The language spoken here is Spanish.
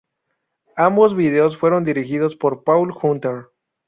Ambos vídeos fueron dirigidos por Paul Hunter.